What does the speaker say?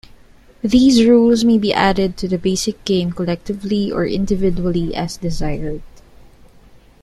These rules may be added to the basic game collectively or individually as desired.